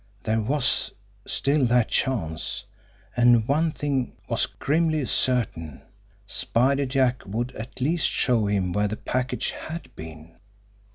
There was still that chance, and one thing was grimly certain Spider Jack would, at least, show him where the package HAD BEEN!